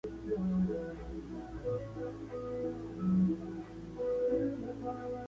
Puede reproducirse de ambas formas, sexual y asexual.